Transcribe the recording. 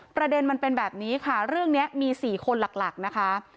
ประเด็นมันเป็นแบบนี้ค่ะเรื่องนี้มี๔คนหลักนะคะ